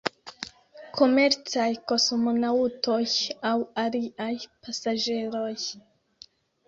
Komercaj kosmonaŭtoj aŭ aliaj "pasaĝeroj".